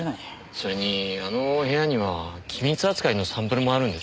それにあの部屋には機密扱いのサンプルもあるんです。